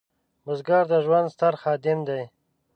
بزګر د ژوند ستر خادم دی